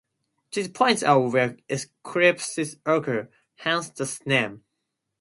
These points are where eclipses occur - hence the name.